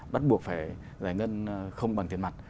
bắt buộc phải giải ngân không bằng tiền mặt